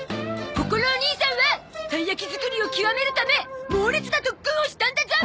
ここのお兄さんはたいやき作りを極めるため猛烈な特訓をしたんだゾ！